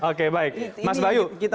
oke baik mas bayu